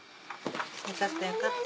よかったよかった。